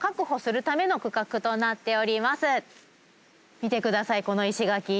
見て下さいこの石垣。